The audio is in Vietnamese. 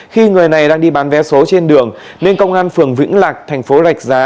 khi người này đang đi bán vé số trên đường nên công an phường vĩnh lạc thành phố rạch giá